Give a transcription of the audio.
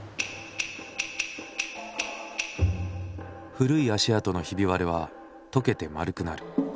古い足跡のひび割れはとけて丸くなる。